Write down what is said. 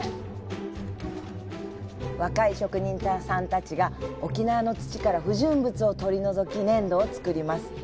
若い職人さんたちが沖縄の土から不純物を取り除き粘土を作ります。